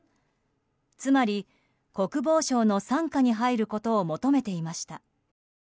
つまり国防省の傘下に入ることを求めていました。